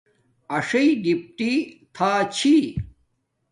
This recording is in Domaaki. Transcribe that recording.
اݵسئ ڈِپٹݵ تھݳ چھݵ.